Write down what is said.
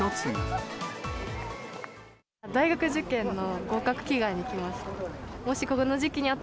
大学受験の合格祈願に来ました。